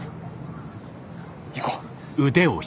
行こう。